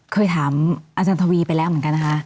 เคยถามอาจารย์ทวีไปแล้วเหมือนกันนะคะ